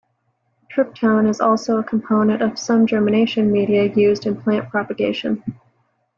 Tryptone is also a component of some germination media used in plant propagation.